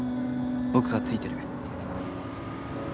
僕がついてる。